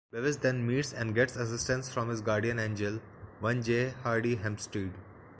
Bevis then meets and gets assistance from his guardian angel, one J. Hardy Hempstead.